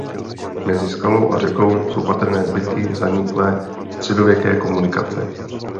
Mezi skálou a řekou jsou patrné zbytky zaniklé středověké komunikace.